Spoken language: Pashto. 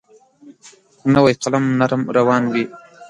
نوی قلم نرم روان وي.